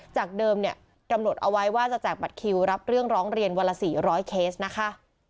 จากเดิมเนี่ยกำหนดเอาไว้ว่าจะแจกบัตรคิวรับเรื่องร้องเรียนวันละ๔๐๐เคสนะคะ